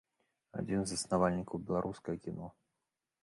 Адзін з заснавальнікаў беларускага кіно.